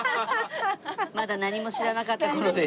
まだ何も知らなかった頃です。